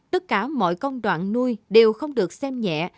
tất cả mọi công đoạn nuôi đều không được xem nhẹ